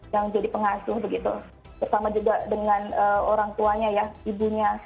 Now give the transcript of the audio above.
yang jadi pengasuh begitu bersama juga dengan orang tuanya ya ibunya